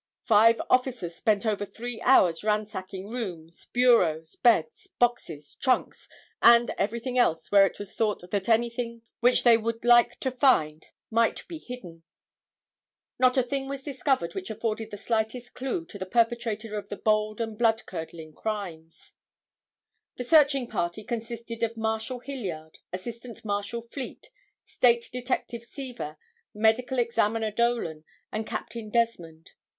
Five officers spent over three hours ransacking rooms, bureaus, beds, boxes, trunks and everything else where it was thought that anything which they would like to find might be hidden. Not a thing was discovered which afforded the slightest clue to the perpetrator of the bold and blood curdling crimes. [Illustration: ASST. MARSHAL JOHN FLEET.] The searching party consisted of Marshal Hilliard, Assistant Marshal Fleet, State Detective Seaver, Medical Examiner Dolan and Capt. Desmond.